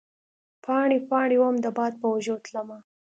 پاڼې ، پا ڼې وم د باد په اوږو تلمه